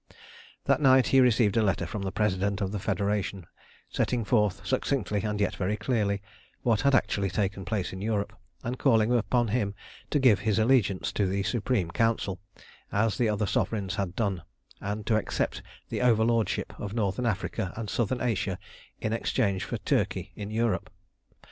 That night he received a letter from the President of the Federation, setting forth succinctly, and yet very clearly, what had actually taken place in Europe, and calling upon him to give his allegiance to the Supreme Council, as the other sovereigns had done, and to accept the overlordship of Northern Africa and Southern Asia in exchange for Turkey in Europe.